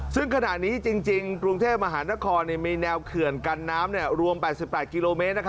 ซึ่งขณะนี้จริงกรุงเทพมหานครมีแนวเขื่อนกันน้ำรวม๘๘กิโลเมตร